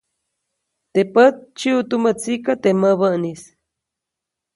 Teʼ pät dsyiʼu tumä tsikaʼ, teʼ mäbäʼnis.